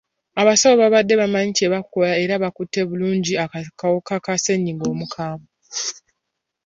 Abasawo babadde bamanyi kye bakola era bakutte bulungi akawuka ka ssennyiga omukambwe.